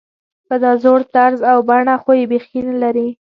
په دا زوړ طرز او بڼه خو یې بېخي نلري.